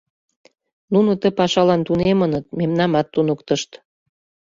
Нуно ты пашалан тунемыныт, мемнамат туныктышт.